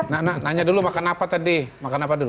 nana nanya dulu makan apa tadi makan apa dulu